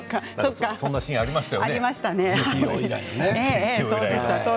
そんなシーンがありましたよね。